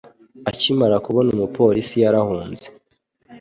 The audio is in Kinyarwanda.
Akimara kubona umupolisi yarahunze